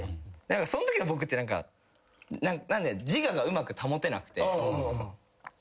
そのときの僕って何か自我がうまく保てなくて。